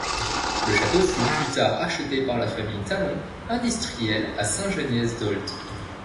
Le château fut plus tard acheté par la famille Talon, industriel à Saint-Geniez d'Olt.